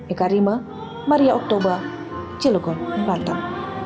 eka rima maria oktober cilokon lantan